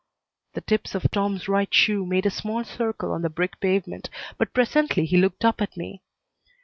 The tips of Tom's right shoe made a small circle on the brick pavement, but presently he looked up at me.